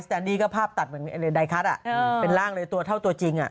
แนนดี้ก็ภาพตัดเหมือนไดคัทเป็นร่างเลยตัวเท่าตัวจริง